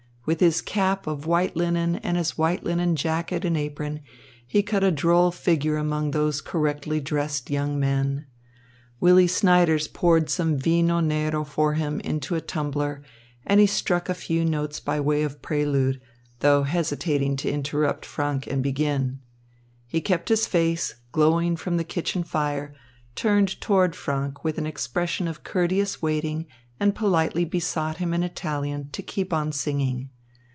With his cap of white linen and his white linen jacket and apron, he cut a droll figure among those correctly dressed young men. Willy Snyders poured some vino nero for him into a tumbler, and he struck a few notes by way of prelude, though hesitating to interrupt Franck and begin. He kept his face, glowing from the kitchen fire, turned toward Franck with an expression of courteous waiting and politely besought him in Italian to keep on singing.